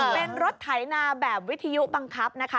เป็นรถไถนาแบบวิทยุบังคับนะคะ